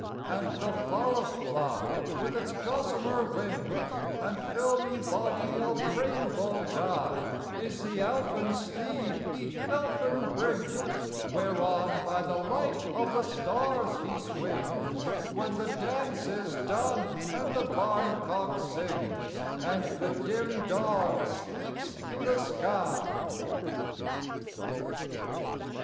IV And the forest fly with its gossamer wings, And filmy body of rainbow dye, Is the ouphen steed each elfin brings, Whereon by the light of the stars he swings, When the dance is done and the barn cock sings, And the dim dawn streaks the sky.